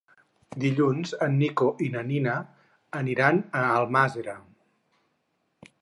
Dilluns en Nico i na Nina aniran a Almàssera.